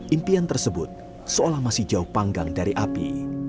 impian tersebut seolah masih jauh panggang dari api